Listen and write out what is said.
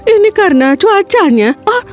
ini karena cuacanya